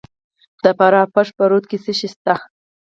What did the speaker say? د فراه په پشت رود کې څه شی شته؟